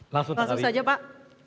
langsung saja pak